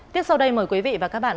tiếp sau đây mời quý vị và các bạn